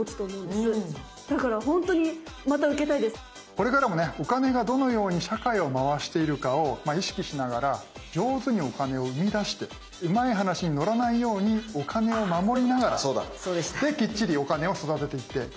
これからもねお金がどのように社会を回しているかを意識しながら上手にお金をうみだしてうまい話に乗らないようにお金をまもりながらできっちりいいですか。